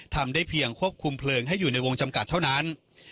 ทำได้เพียงควบคุมเพลิงให้อยู่ในวงจำกัดเท่านั้น